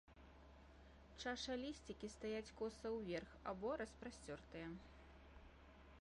Чашалісцікі стаяць коса ўверх або распасцёртыя.